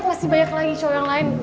masih banyak lagi show yang lain